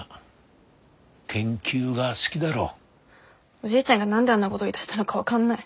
おじいちゃんが何であんなごど言いだしたのか分かんない。